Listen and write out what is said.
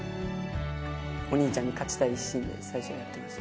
お兄ちゃんに勝ちたい一心で、最初はやっていました。